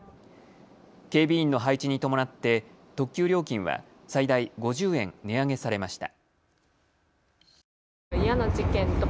警備員の配置に伴って特急料金は最大５０円、値上げされました。